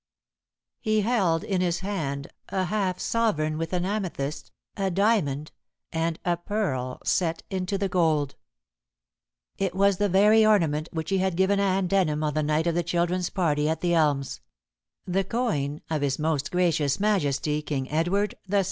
He held in his hand a half sovereign with an amethyst, a diamond, and a pearl set into the gold. It was the very ornament which he had given Anne Denham on the night of the children's party at The Elms the coin of His Most Gracious Majesty King Edward VII.